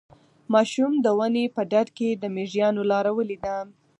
ماشوم د ونې په ډډ کې د مېږیانو لاره ولیده.